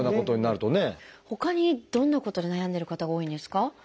ほかにどんなことで悩んでる方が多いんですか？